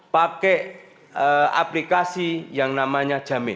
pakai aplikasi yang namanya jamin